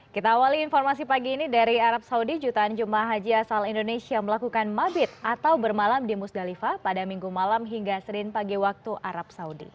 kita awali informasi pagi ini dari arab saudi jutaan jemaah haji asal indonesia melakukan mabit atau bermalam di musdalifah pada minggu malam hingga senin pagi waktu arab saudi